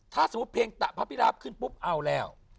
ถ้าสมมุติเพลงตะพระพิราบขึ้นปุ๊บเอาแล้ว